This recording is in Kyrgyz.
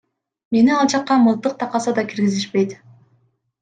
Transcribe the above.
Мени ал жакка мылтык такаса да киргизишпейт.